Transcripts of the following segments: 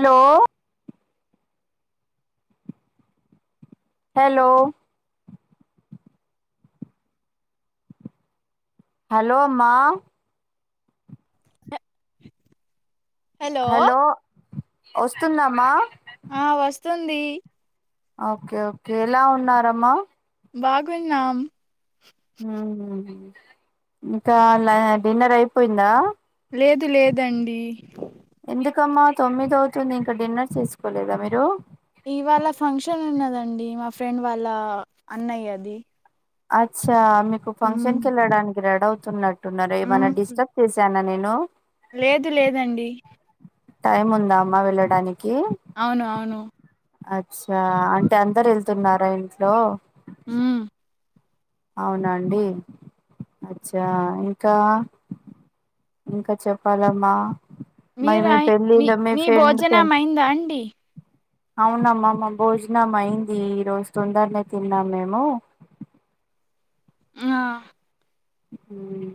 Hello hello hello మా hello వస్తుందా అమ్మా ఆ వస్తుంది ఓకే ఓకే ఎలా ఉన్నారమ్మా బాగున్నాం ఇంకా లా డిన్నర్ అయిపోయిందా లేదు లేదండి ఎందుకమ్మా తొమ్మిది అవుతుంది ఇంకా డిన్నర్ చేసుకోలేదా మీరు ఇవాళ ఫంక్షన్ ఉన్నదండి మా ఫ్రెండ్ వాళ్ళ అన్నయ్యది అచ్చా మీకు మ్మ్ ఫంక్షన్ కి వెళ్ళడానికి రెడి అవుతున్నట్టున్నారే ఏమన్నా మ్మ్ డిస్టర్బ్ చేసానా నేను లేదు లేదండి టైం ఉందా అమ్మా వెళ్ళడానికి అవును అవును అచ్చా అంటే అందరు వెళ్తున్నారా ఇంట్లో మ్మ్ అవునా అండి అచ్చా ఇంకా ఇంక చెప్పాలమ్మా మరి మీరు మీ అయ్ పెళ్ళిళ్ళు మీ ఫ్రెండ్ పె భోజనం అయిందా అండి అవునమ్మా మా భోజనం అయింది ఈ రోజు తొందరనే తిన్నాం మేము ఆ అవున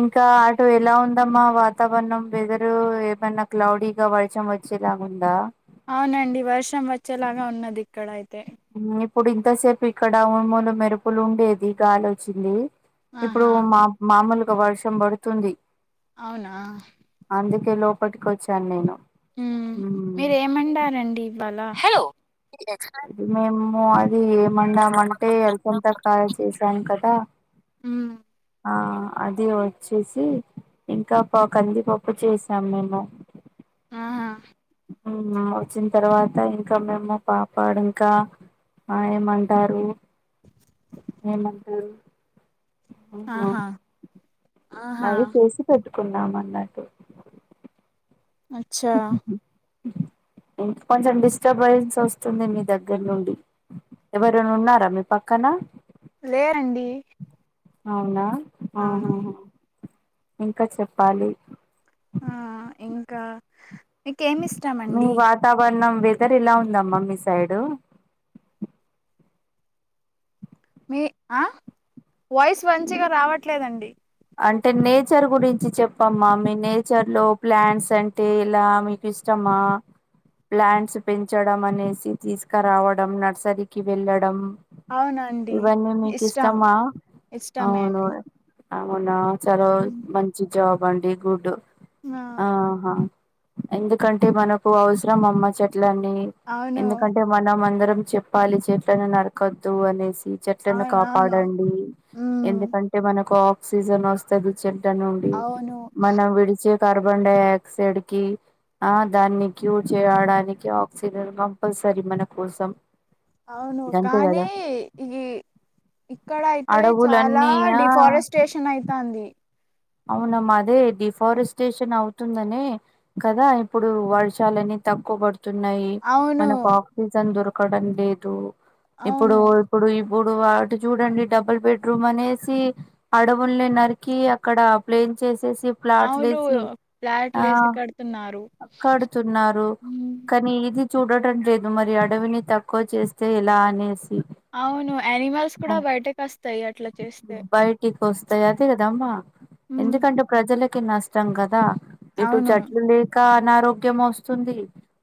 ఇంకా అటు ఎలా ఉందమ్మా వాతావరణం వెదరు ఏమన్నా క్లౌడీగా వర్షం వ వచ్చె లాగా ఉందా అవునండి వర్షం వచ్చేలాగా ఉన్నది ఇక్కడ అయితే మ్మ్ ఇప్పుడు ఇంతసేపు ఇక్కడ ఉరుములు మెరుపులు ఉండేది గాలి వొచ్చింది ఇప్పుడు ఆహా మా మామూలుగా వర్షం పడుతుంది అవునా ఇప్పుడే లోపటికి వచ్చా నేను మ్మ్ మీరేం వండారండి ఇవాళ అది మేము అది ఏం వండమంటే అలసంద కాయలు చేసాను కదా అవున ఆ అది వచ్చేసి ఇంకా పా కందిపప్పు చేసాం మేము ఆహ ఉనా వచ్చిన తర్వాత ఇంకా మిము పా పాడుంకా ఆ ఏమంటారు ఏమంటారు ఆహా ఆహా అవి చేసి పెట్ కున్నాను అన్నట్టు అచ్చా కొంచెం డిస్టర్బెన్స్ వస్తుంది మీ దగ్గర నుండి ఎవరు అన్నా ఉన్నారా మీ పక్కన లేరండి అవునా అవును ఆహహ ఇంకా చెప్పాలి ఆ ఇంకా మీ మీకేమిష్టమండి వాతావరణం వెదర్ ఎలా ఉందమ్మా మీ సైడు మీ ఆ వాయిస్ మంచిగా రావట్లేదండి అంటే నేచర్ గురించి చెప్పమ్మా మీ నేచర్ లో ప్లాంట్స్ అంటే ఇలా మీకు ఇష్టం అమా ప్లాంట్స్ పెంచడం అనేసి తీసుకురావడం నర్సరీకి వెళ్ళడం అవునండి ఇవన్నీ మీకు ఇష్టం ఇష్టమా ఇష్టమే అవును అండి అవునా అచ రోజ్ హ్మ్. మంచి జాబ్ అండి గుడ్ ఆ ఆహా ఎందుకంటే మనకు అవసరం అమ్మ చెట్లన్నీ అవును ఎందుకంటే మనం అందరం నూ చెప్పాలి చెట్లనూ నరకొద్దు అనేసి చెట్లను అవును అవును కాపాడండి ఉమ్ ఎందుకంటే మనకు ఆక్సిజన్ వస్తుంది చెట్ ట్లా నుండి అవును మనం విడిచే కార్బన్ డై ఆక్సైడ్ కి ఆ దాన్ని క్యూర్ చేయడానికి ఆక్సిజన్ కంపల్సరీ మన కోసం అవును గంతే కదా కానీ ఈ ఇక్కడ అయితే చాలా అడవులన్నీ ఆ డిఫారెస్టేషన్ అయితుంది అవునమ్మా అదే డిఫారెస్టేషన్ అవుతుందనే కదా ఇప్పుడు వర్షాలని తక్కో బడ్ తున్నాయి అవును మనకు ఆక్సిజన్ దొరకడం లేదు ఇప్పుడు అవును ఇప్పుడు ఇ ఇప్పుడు అటు చూడండి డబుల్ బెడ్రూమ్ అనేసి అడవులే నరికి అక్ అక్కడ ప్లేన్ చేసేసి ప్లాట్లు అవును వేసి ఫ్లాట్లు ఆ వేసి కడుతున్నారు కడుతున్నారు హ్మ్. కానీ ఇది చూడటం లేదు మరి అడవిని తక్కువ చేస్తే ఎలా అనేసి అవును అనిమల్స్ ఆ కూడా బయటకి వస్తాయి అట్లా చేస్తే పేయతి కదమ్మా హ్మ్. ఎందుకంటే ప్రజలకి నష్టం కదా ఇటు అవును చెట్లు లేక అనారోగ్యం వస్తుంది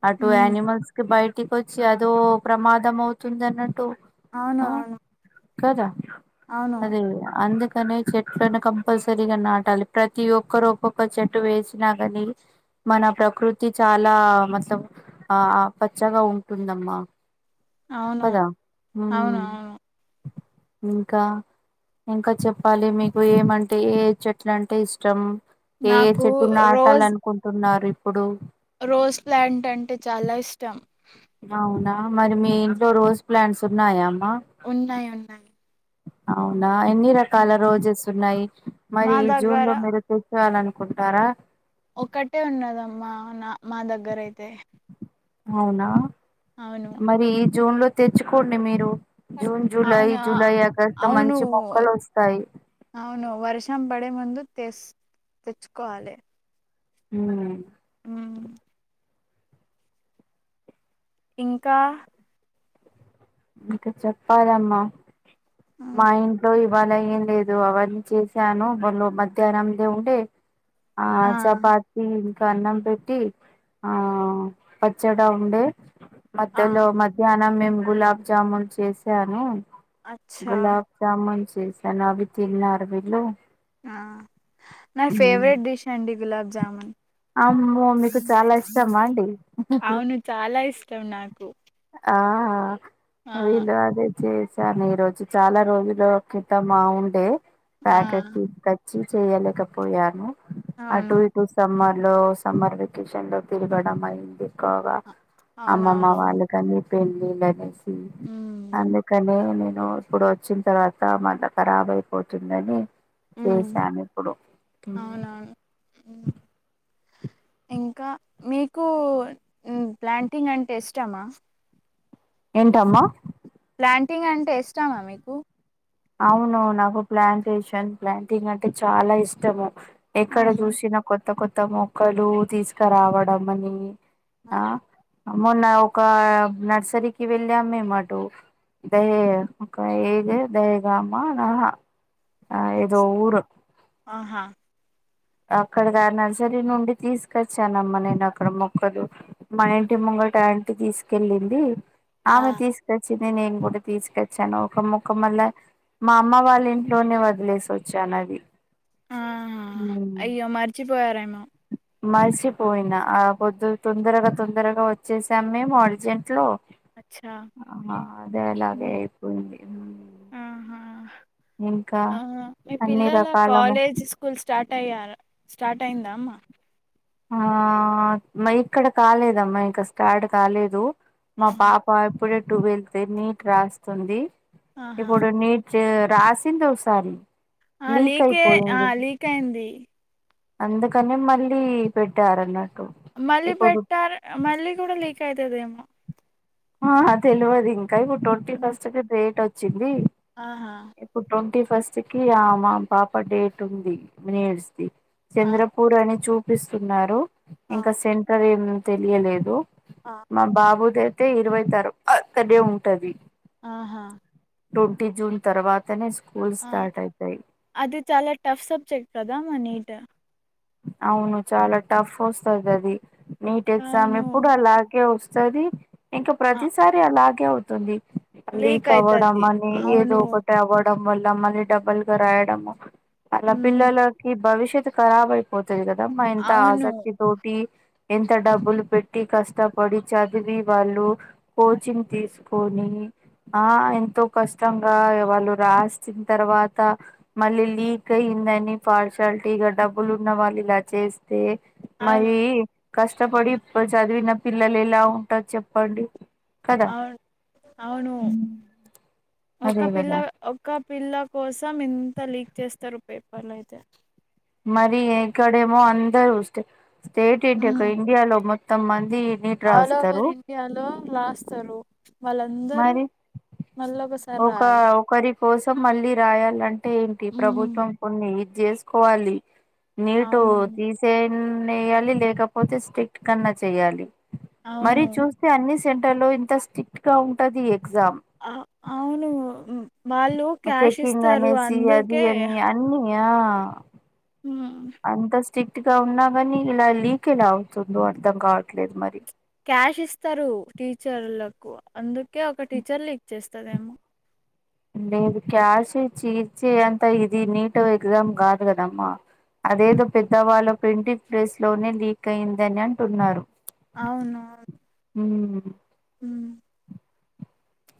అటు హ్మ్ ఆనిమల్స్ కి బయట టికొచ్చి అదో ప్రమాదం అవుతుంది అన్నట్టు అవును ఆ అవును కదా అవును అదే అందుకనే చెట్లను కం పలసరిగా నాటాలి ప్రతి ఒక్కరు ఒక్కొక్క చెట్టు వేసినా కానీ మన ప్రకృతి చాలా మొత్తం ఆ పచ్చగా ఉంటుందమ్మా అవును కదా ఊ అవును అవును ఇంకా ఇంకా చెప్పాలి మీకు ఏమంటే అంటే ఏ చెట్లు అంటే ఇష్టం ఏ ఏ నాకు చెట్టు నాటాలనుకుంటున్నారు ఇప్పుడు రోస్ ప్లాంట్ అంటే చాలా ఇష్టం అవునా మరి మీ ఇంట్లో రోజ్ ప్లాంట్స్ ఉన్నాయా ఉన్నాయి ఉన్నాయి అవునా ఎన్ని రకాల ఉమ్. రోజెస్ ఉన్నాయి మా మరి జూన్ దగ్గర లో మెరుకు ఇవ్వాలనుకుంటారా ఒకక్కటే ఉన్నదమ్మా నా మా దగ్గరయితే అవునా మరి ఈ జూన్ లో తెచ్చుకోండి మీరు జూన్ జూలై అవును ఆ, జూలై ఆగస్టు లో అవును మంచి మొక్కలు వస్తాయి అవును వర్షం బడే ముందు తెచ్చుకోవాలి ఊ హ్మ్ ఇంకా ఇంకా చెప్పాలమ్మా హ్మ్ మా ఇంట్లో ఈ ఇవాళ ఏం లేదు అవన్నీ చేసాను మొళ్ళు మధ్యాహ్నం దే ఉండే ఆ చపాతిీ ఇంకా అన్నం పెట్టి ఆ పచ్చడా ఉండే ఆ మధ్యలో మధ్యాహ్నం మేము గులాబ్ జాముూన్ చేసాను అచ్చా గులాబ్ జామూన్ చేశాను అవి తిన్నారు వీళ్ళు ఆ నా ఫేవరెట్ డిష్ అండి గులాబ్ జామున్ అమ్మో మీకు చాలా ఇష్టమా అండి అవును చాలా ఇష్టం నాకు ఆ ఆ ఆ వీళ్ళు అదే చేశాను ఈ రోజు చాలా రోజులు క్రితం ఉండే ఆ ప్యాకెట్ తీసుకచ్చి చేయలేకపోయాను అటు అవును ఇటు సమ్మా లో సమ్మర్ వెకేషన్ లో తిరగడం అయింది ఎక్కువగా అ అమ్మమ్మ అవునవునవును వాళ్ళకని పెళ్లిళ్లనేసి అందుకనే నేను ఇప్పుడు వచ్చిన తర్వాత మల్ల ఖరాబ్ అయిపోతుందని మ్మ్ చేసాను ఇప్పుడు అవునవును మ్మ్ ఇంకా మీకు ప్లాంటింగ్ అంటే ఇష్టమా ఏంటమ్మా ప్లాంటింగ్ అంటే ఇష్టామా మీకు అవును నాకు ప్లాంటేషన్ ప్లాంటింగ్ అంటే చాలా ఇష్టము ఎక్కడ అవును చూసిన కొత్త కొత్త మొక్కలు తీసుకురావడం అని ఆ మొన్న ఒక నర్సరీకి వెళ్ళాం మేము అటు దయ్యే ఒక ఏగ దైగామా హా హా ఆహా అక్కడ కాదు నర్సరీ నుండి తీసుకొచ్చానమ్మా నేను అక్కడ మొక్కలు మన ఇంటి ముం బట్ ఆంటీ తీసుకెళ్ళింది ఆ ఆమె తీసుకొచ్చి నేను కూడా తీసుకొచ్చాను ఒక మొక్క మళ్ళ మా అమ్మ వాళ్ళ ఇంట్లోనే వదిలేసి వచ్చాను అది ఆహా అయ్యో మరిచిపోయారండి మరిసిపోయిన ఆ పొద్దు తొందరగా తొందరగా వచ్చేసాం మేము అర్జెంట్ లో అచ్చా ఆ అదే అలాగే మ్మ్ అయిపోయింది ఇంకా ఆహ మీ అన్ని పిల్లల రకాల మొ కాలేజ్ స్కూల్ స్టార్ట్ టయ్యార స్టార్ట్ అయిందా అమ్మా ఆ మా ఇక్కడ కాలేదమ్మా ఇంకా స్టార్ట్ కాలేదు మా ఆహా పాప ఇప్పుడే టువెల్త్ నీట్ రాస్తుంది ఆహా ఇప్పుడు నీట్ రాసింది ఒకసారి ఆ లీక్ లీకే ఆ అయిపోయింది లీక్ అయింది అందుకని మళ్ళీ పెట్టారంటా మళ్ళీ పెట్టారు మళ్ళీ కూడా లీక్ అయితాదేమో ఆ అ తెలువదు ఇంకా ఇప్పుడు ట్వంటీ ఫస్ట్ డేట్ వచ్ ఆహా ఇప్పుడు పంపిస్ ఫస్ట్ కి ఆ మా పాప డేట్ ఉంది నీట్స్ ది ఆ చంద్రపూర్ అని చూ పిస్తున్నారు ఆ ఇంకా సెంటర్ ఏం తెలియలేదు ఆ మా బాబుకై తే ఇరవై తరు అక్కడే ఉంటది ఆహా ట్వంటీ జూన్ తర్వాతనే సూ ఆ అది చాలా టఫ్ సబ్జెక్ట్ కదా మా నీట్ అవును చాలా టఫ్ వస్తది అది నీట్ ఎగ్జామ్ అవును ఎప్పుడు అలాగే వస్తు వస్తది ఇంకా ఆ ప్రతిసారి అలాగే అవుతుంది లీక్ అవ్వడం అయితది అని ఏదో అవును ఒకటి అవార్డ్ వల్ల మళ్ళీ డబల్ గా రాయడం అలా ఉమ్ పిల్లలకి భవిష్యత్ ఖరాబ్ అయిపో తది కదా మా ఇంత అవును ఆసక్తి తోటి ఎంత డబ్బులు పెట్టి కష్టపడి చదివి వాళ్ళు కోచింగ్ తీసుకొని ఆ ఎంతో కష్టంగా వాళ్ళు రాసిన తర్వాత మళ్ళీ లీక్ అయ్యి అయ్యిందని పరిషాల్టీ ఇక డబ్బులు ఉన్న వాళ్ళు ఇలా చేస్తే అవును మరీ కష్టపడి ఇప్పుడు చదివిన పిల్లలు ఎలా ఉంటారు చెప్పండి కదా ఆ అవును ఒక్క అదే కదా పిల్లా ఒక్క పిల్లా కోసం ఇంత లీక్ చేస్తారు పేపు పేపర్లయితే మరి ఇక్కడేమో అందరూ స్టే స్టేట్ ఏంటి ఒక ఉమ్ ఇండియాలో మొత్తం మ ఈ నీట్ ఆల్ రాస్తారు ఓవర్ ఇండియాలో రాస్తారు వాళ్ళందరు మరి ఒక ఒకరి కోసం మళ్ళీ రాయాలంటే ఏంటి ఉమ్ ప్రభుత్వం కొన్ని చేసుకోవాలి నీటు అవును తీసే వేయాలి లేకపోతే స్ట్రిక్ట్ కన్నా చేయాలి మరి అవును చూస్తే అన్ని సె హలో ఇంత స్ట్రిక్ట్ గా ఉంటది ఎగ్జామ్ ఆ ఆ అవును మ్ మ్ చెకింగ్ అనేసి అది అందుకే అని అన్ని ఆ హ్మ్ అంత స్ట్రిక్ట్ గా ఉన్నా కాని ఇలా లీక్ ఎలా అవుతుందో అర్ధం కావట్లేదు మరి క్యాష్ ఇస్తారు టీచర్లకు అందుకే ఒక టీచర్ లీక్ చేస్తదేమో లేదు క్యాష్ ఇచ్చే తీర్చే అంత ఇది నీట్ ఎగ్జామ్ కాదు కదమ్మా అదేదో పెద్దవాళ్ళ ప్రింటిగ్ ప్రెస్ లోనే లీక్ అయిందని అంటున్నారు అవునా ఉమ్ హ్మ్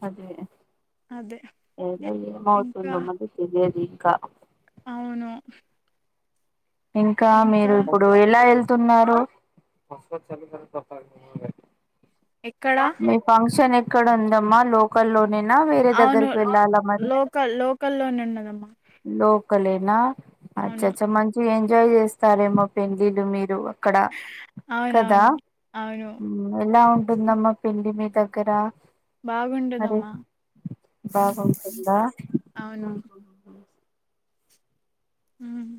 అదే అదే ఏదో ఇంకా ఏమవుతుందో మనకి తెలియదు ఇంకా అవును ఇంకా మీరు ఇప్పుడు ఇలా వెళ్ వెళుతున్నారు ఎక్కడ మీ ఫంక్షన్ ఎక్కడ ఉందమ్మా లోకల్ లో ల్లోనా వేరే అవును దగ్గరికి వెళ్ళాల మరి లోకల్ లోకల్లోనే ఉన్నదమ్మా లో ఒక్కలేనా అవును అచ్చచ్చ మంచి ఎంజాయ్ చేస్తారేమో పెళ్ళిండ్లు మీరు అక్కడ కదా అవునవును అవును ఎలా హ్మ్ ఉంట పిన్నమ్మ పిండి మీ దగ్గర మరి బాగుండదమ్మా బాగుంటుందా అవును హ్మ్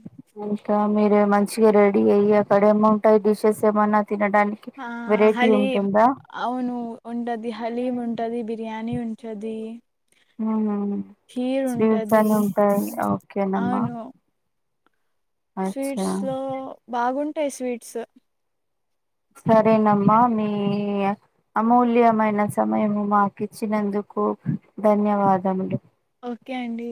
ఇంకా మీరే మంచిగా రెడి అయి అక్కడ ఏముంటాయి డిషెస్ ఏమన్నా తినడానికి ఆ వెరైటీ హలీమ్ ఉంటుందా అవును ఉంటది హలీమ్ ఉంట ఉంటది బిర్యానీ ఉంటది మ్, ఖీరు స్వీట్స్ ఉంటది అని ఉంటాయి ఓకేనమ్మా అవును స్వీట్స్ అచ్చా లో బాగుంటాయి స్వీట్స్ సరేనమ్మా మీ అమూల్యమైన సమయము మాకు ఇచ్చినందుకు కోపు ధన్యవాదములు ఓకే అండి